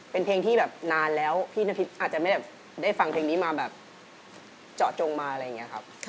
เป็นเพลงที่แบบนานแล้วพี่นพิษอาจจะไม่ได้ฟังเพลงนี้มาแบบเจาะจงมาอะไรอย่างนี้ครับ